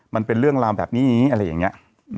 มันเป็นเรื่องราวแบบนี้อะไรอย่างนี้